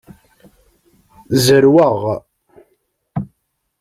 Zerrweɣ.